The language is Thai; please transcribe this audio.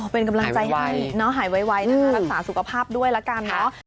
เป็นกำลังใจให้น้องหายไวนะคะรักษาสุขภาพด้วยละกันเนาะ